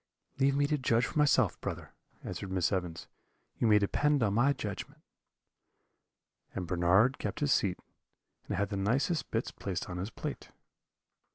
"'Leave me to judge for myself, brother,' answered Miss Evans; 'you may depend on my judgment.' "And Bernard kept his seat, and had the nicest bits placed on his plate.